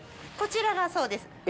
こちらがそうです。